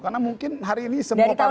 karena mungkin hari ini semua partai